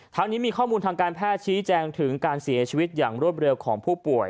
ทางนี้มีข้อมูลทางการแพทย์ชี้แจงถึงการเสียชีวิตอย่างรวดเร็วของผู้ป่วย